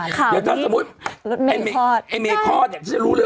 อย่าถ้าสมมุติไอ้เมฆคลอดอยากที่จะรู้เลย